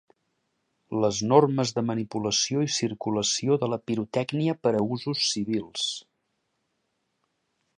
Les normes de manipulació i circulació de la pirotècnia per a usos civils.